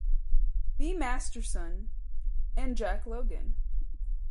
B. Masterson, and Jack Logan.